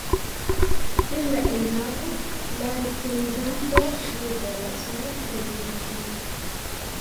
Pri la enhavo la recenzanto ne volas multe juĝi.